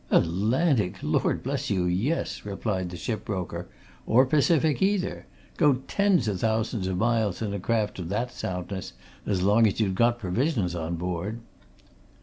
"Atlantic? Lord bless you, yes!" replied the ship broker. "Or Pacific, either. Go tens o' thousands o' miles in a craft of that soundness, as long as you'd got provisions on board!